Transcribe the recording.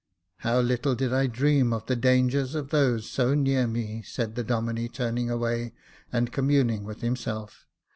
" How little did I dream of the dangers of those so near me," said the Domine, turning away, and communing with himself.